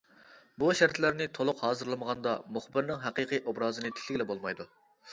بۇ شەرتلەرنى تولۇق ھازىرلىمىغاندا، مۇخبىرنىڭ ھەقىقىي ئوبرازىنى تىكلىگىلى بولمايدۇ.